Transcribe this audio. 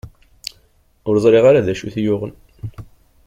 Ur ẓriɣ ara d acu i t-yuɣen.